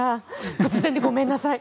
突然でごめんなさい。